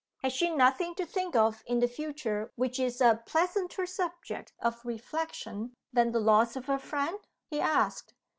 "Has she nothing to think of in the future, which is a pleasanter subject of reflection than the loss of her friend?" he asked.